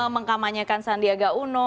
mengkamanyakan sandiaga uno